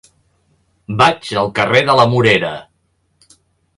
Vaig al carrer de la Morera.